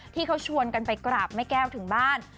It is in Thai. ที่เขาชวนกันไปกราบแม่แก้วถึงบ้าน